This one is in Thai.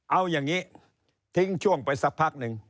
เอาอย่างนี้ทิ้งช่วงไปสักพักหนึ่ง